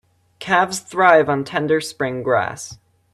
Calves thrive on tender spring grass.